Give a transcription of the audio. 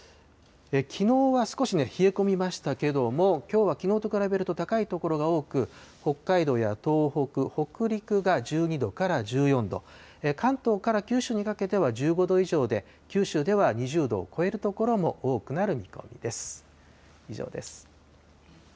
きのうは少し冷え込みましたけれども、きょうはきのうと比べると高い所が多く、北海道や東北、北陸が１２度から１４度、関東から九州にかけては１５度以上で、九州では２０度を超える所も多くなる見込みです。